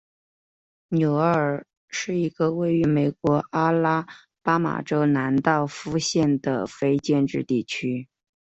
纽厄尔是一个位于美国阿拉巴马州兰道夫县的非建制地区。